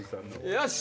よし！